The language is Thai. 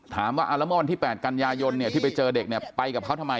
ถามว่าอารมนต์ที่แปดกันยายนที่ไปเจอเด็กเนี่ยไปกับเขาทำไม